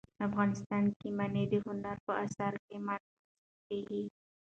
افغانستان کې منی د هنر په اثار کې منعکس کېږي.